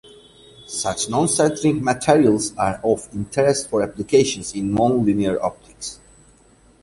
Such noncentric materials are of interest for applications in nonlinear optics.